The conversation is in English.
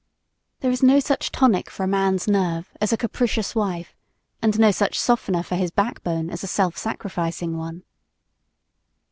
There is no such tonic for a man's nerve as a capricious wife and no such softener for his backbone as a self sacrificing one.